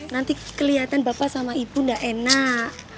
nanti kelihatan bapak sama ibu nggak enak